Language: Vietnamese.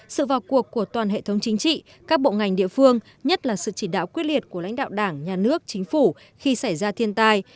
sự vào cuộc của toàn hệ thống chính trị các bộ ngành địa phương nhất là sự chỉ đạo quyết liệt của lãnh đạo đảng nhà nước chính phủ khi xảy ra thiên tai